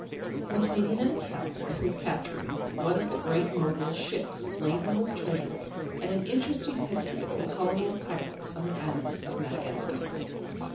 _Containing an Account of his capturing one of the great Mogul's ship's laden with treasure: and an interesting history of a Colony of Pirates on the Island of Madagascar.